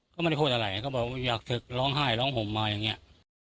ก็ไม่ได้โคตรอะไรเขาบอกว่าอยากศึกร้องไห้ร้องห่มมาอย่างเนี่ย